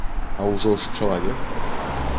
А ўжо ж чалавек!